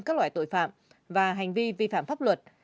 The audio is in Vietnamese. các loại tội phạm và hành vi vi phạm pháp luật